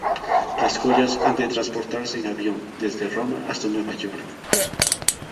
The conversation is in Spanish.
Las joyas han de transportarse en avión desde Roma hasta Nueva York.